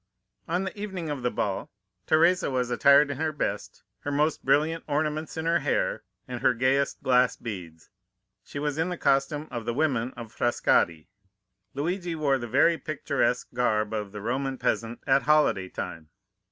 On the evening of the ball Teresa was attired in her best, her most brilliant ornaments in her hair, and gayest glass beads,—she was in the costume of the women of Frascati. Luigi wore the very picturesque garb of the Roman peasant at holiday time.